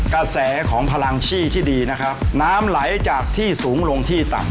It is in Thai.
กระแสของพลังชี่ที่ดีนะครับน้ำไหลจากที่สูงลงที่ต่ำ